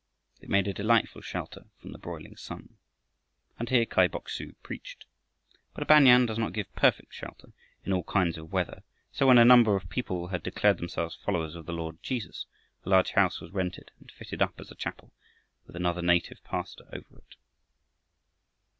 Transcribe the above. It made a delightful shelter from the broiling sun. And here Kai Bok su preached. But a banyan does not give perfect shelter in all kinds of weather, so when a number of people had declared themselves followers of the Lord Jesus, a large house was rented and fitted up as a chapel, with another native pastor over it.